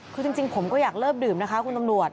คือจริงผมก็อยากเลิกดื่มนะคะคุณตำรวจ